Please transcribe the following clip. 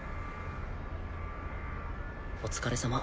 お疲れさま。